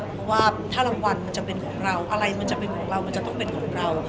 เพราะว่าถ้ารางวัลมันจะเป็นของเราอะไรมันจะเป็นของเรามันจะต้องเป็นของเรา